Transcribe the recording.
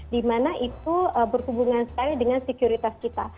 dimana itu berhubungan sekali dengan sekuritas kita